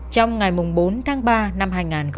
trong ngày bốn tháng ba năm hai nghìn một mươi hai